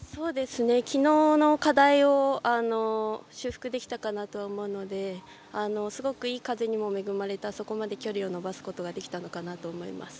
昨日の課題を修復できたかなとは思うのですごくいい風にも恵まれてあそこまで距離を伸ばすことができたのかなと思います。